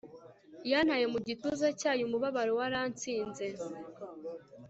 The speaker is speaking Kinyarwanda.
Yantaye mu gituza cyayo umubabaro waratsinze